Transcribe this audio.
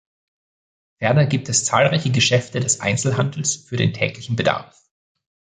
Ferner gibt es zahlreiche Geschäfte des Einzelhandels für den täglichen Bedarf.